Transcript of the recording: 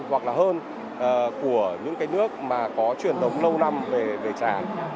hoặc là hơn của những cái nước mà có truyền thống lâu năm về tràng